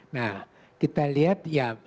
nah kita lihat ya